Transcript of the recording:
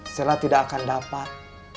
stella tidak akan dapat